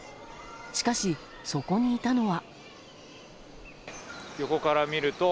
しかし、そこにいたのは。